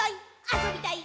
あそびたい！」